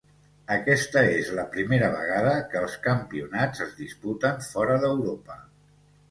Aquesta és la primera vegada que els Campionats es disputen fora d'Europa.